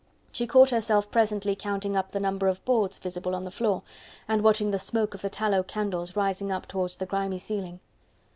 She caught herself presently counting up the number of boards visible on the floor, and watching the smoke of the tallow candles rising up towards the grimy ceiling.